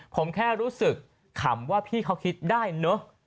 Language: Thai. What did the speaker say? ผมแค่รู้สึกขำว่าพี่เขาคิดได้เนอะ